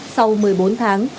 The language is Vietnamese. sau một mươi bốn tháng